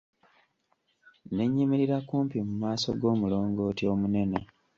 Ne nnyimirira kumpi mu maaso g'omulongooti omunene.